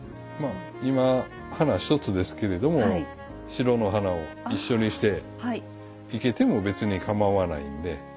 まあ今花１つですけれども白の花を一緒にして生けても別にかまわないんで。